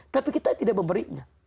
tapi kita tidak memberinya